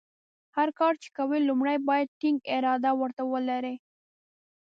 هر کار چې کوې لومړۍ باید ټینګه اراده ورته ولرې.